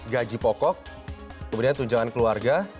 gaji pokok kemudian tunjangan keluarga